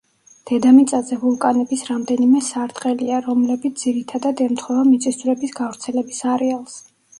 დედამიწაზე ვულკანების რამდენიმე სარტყელია, რომლებიც ძირითადად ემთხვევა მიწისძვრების გავრცელების არეალს.